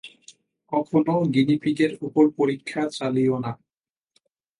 কখনও গিনিপিগের ওপর পরীক্ষা চালিয়ো না।